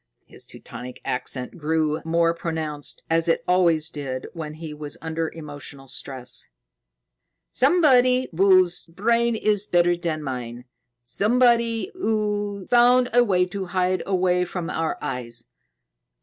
His Teutonic accent grew more pronounced, as it always did when he was under emotional stress. "Somebody whose brain is better than mine. Somebody who found a way to hide away from our eyes.